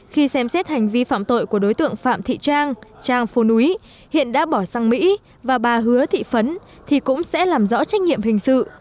khi xem xét hành vi phạm tội của đối tượng phạm thị trang trang phố núi hiện đã bỏ sang mỹ và bà hứa thị phấn thì cũng sẽ làm rõ trách nhiệm hình sự